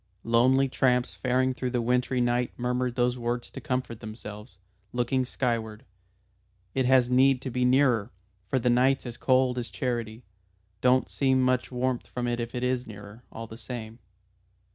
Lonely tramps faring through the wintry night murmured those words to comfort themselves looking skyward. "It has need to be nearer, for the night's as cold as charity. Don't seem much warmth from it if it is nearer, all the same."